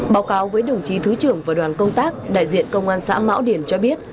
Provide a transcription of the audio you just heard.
báo cáo với đồng chí thứ trưởng và đoàn công tác đại diện công an xã mão điền cho biết